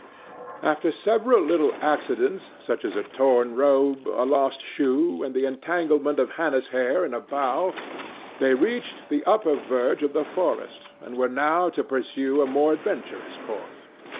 After several little accidents, such as a torn robe, a lost shoe and the entanglement of Hannah's hair in a bough, they reached the upper verge of the forest and were now to pursue a more adventurous course.